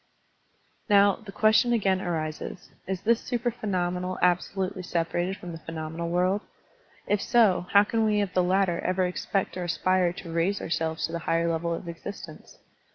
'* Now, the question again arises. Is this supra phenomenal absolutely separated from the phe nomenal world? If so, how can we of the latter ever expect or aspire to raise ourselves to the higher level of existence?